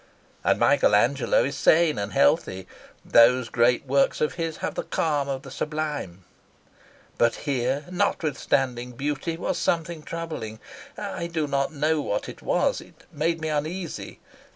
And Michael Angelo is sane and healthy. Those great works of his have the calm of the sublime; but here, notwithstanding beauty, was something troubling. I do not know what it was. It made me uneasy.